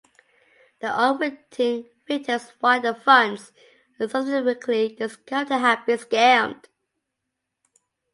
The unwitting victims wire the funds, and subsequently discover they have been scammed.